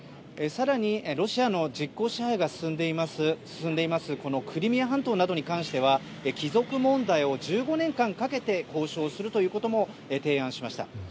更に、ロシアの実効支配が進んでいるクリミア半島に関しては帰属問題を１５年間かけて交渉するということも提案しました。